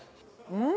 うん。